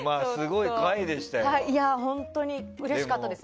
本当にうれしかったです。